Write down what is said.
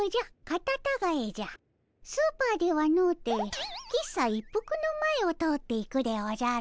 スーパーではのうて喫茶一服の前を通って行くでおじゃる。